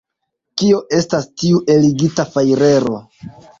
Kio estas tiu eligita fajrero?